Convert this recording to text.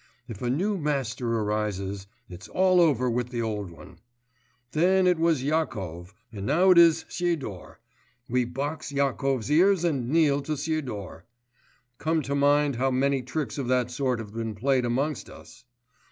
If a new master arises it's all over with the old one. Then it was Yakov, and now it is Sidor; we box Yakov's ears and kneel to Sidor! Call to mind how many tricks of that sort have been played amongst us!